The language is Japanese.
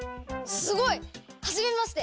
すごい！はじめまして！